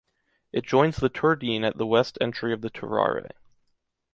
It joins the Turdine at the west entry of Tarare.